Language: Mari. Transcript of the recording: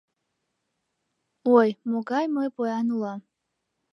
Ой, могай мый поян улам!